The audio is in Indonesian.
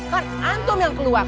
kan antum yang keluar